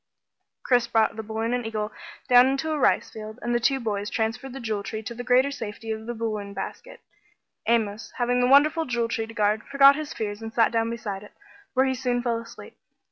Chris brought balloon and eagle down into a rice field, and the two boys transferred the Jewel Tree to the greater safety of the balloon basket. Amos, having the wonderful Jewel Tree to guard, forgot his fears and sat down beside it, where he soon fell asleep.